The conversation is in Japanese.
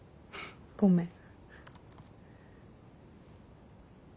ごめん。